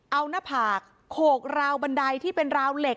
เอาหน้าผากโขกราวบันไดที่เป็นราวเหล็ก